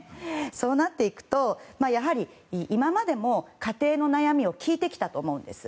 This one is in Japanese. そうなっていくと、やはり今までも、家庭の悩みを聞いてきたと思うんです。